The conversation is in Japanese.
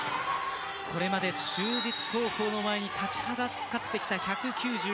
これまで就実高校の前に立ちはだかってきた１９５ｃｍ。